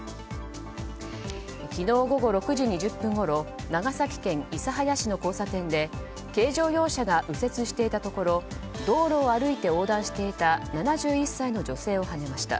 昨日午後６時２０分ごろ長崎県諫早市の交差点で軽乗用車が右折していたところ道路を歩いて横断していた７１歳の女性をはねました。